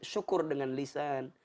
shukur dengan lisan